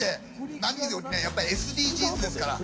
何よりねやっぱりＳＤＧｓですから。